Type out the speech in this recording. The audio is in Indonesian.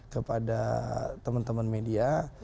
kepada teman teman media